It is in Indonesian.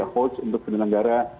host untuk penyelenggara